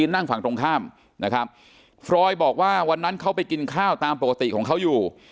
นั่งฝั่งตรงข้ามนะครับฟรอยบอกว่าวันนั้นเขาไปกินข้าวตามปกติของเขาอยู่